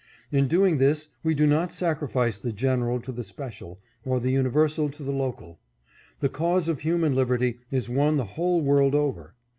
In doing this we do not sacrifice the general to the special, or the universal to the local. The cause of human liberty is one the whole world over.